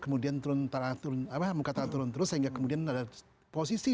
kemudian turun muka tanah turun terus sehingga kemudian ada posisi